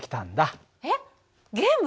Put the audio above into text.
えっゲーム？